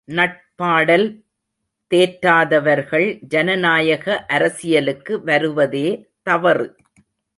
நட்பாடல் தேற்றாதவர்கள் ஜனநாயக அரசியலுக்கு வருவதே தவறு!